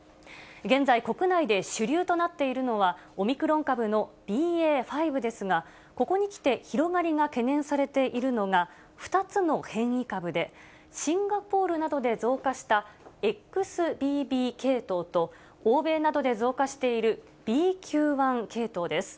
現在、国内で主流となっているのは、オミクロン株のＢＡ．５ですが、ここにきて広がりが懸念されているのが、２つの変異株で、シンガポールなどで増加したＸＢＢ系統と、欧米などで増加しているＢＱ．１系統です。